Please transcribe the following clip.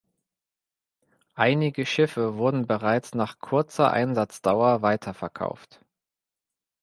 Einige Schiffe wurden bereits nach kurzer Einsatzdauer weiterverkauft.